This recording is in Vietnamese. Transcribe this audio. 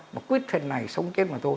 mà quyết phần này sống chết mà thôi